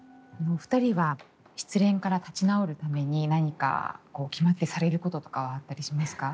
お二人は失恋から立ち直るために何か決まってされることとかはあったりしますか？